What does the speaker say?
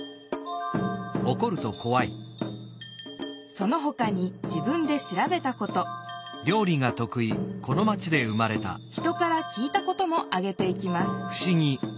そのほかに自分でしらべたこと人から聞いたこともあげていきます